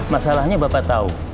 masalahnya bapak tahu